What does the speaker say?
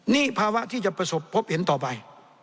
นี่ภาวะที่จะประสบพบเห็นต่อไป